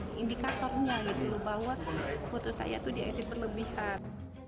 ini indikatornya gitu loh bahwa foto saya itu di asis berlebihan